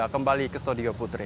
kembali ke stodiga putri